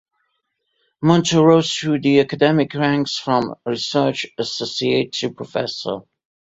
Monto rose through the academic ranks from research associate to professor.